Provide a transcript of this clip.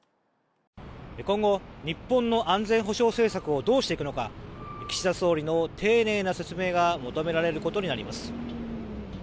今後、日本の安全保障政策をどうしていくのか岸田総理の丁寧な説明が求められることになります。